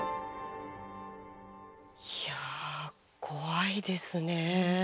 いや怖いですね。